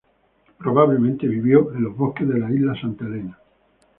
Probablemente vivió en los bosques de la isla Santa Elena.